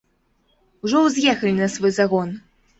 Ужо ўз'ехалі на свой загон.